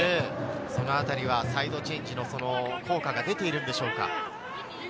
そのあたりはサイドチェンジの効果が出ているんでしょうか。